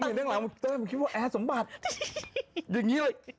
ผมเห็นด้านหลังมันคิดว่าแอสสมบัติอย่างงี้เลย